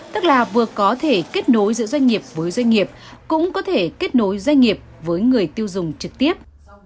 tức là vừa có thể kết nối giữa doanh nghiệp với doanh nghiệp cũng có thể kết nối doanh nghiệp với người tiêu dùng trực tiếp